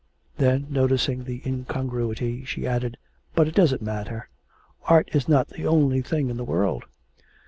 Then, noticing the incongruity, she added, 'But it doesn't matter. Art is not the only thing in the world.